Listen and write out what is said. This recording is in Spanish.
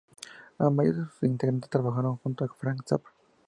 La mayoría de sus integrantes trabajaron junto a Frank Zappa.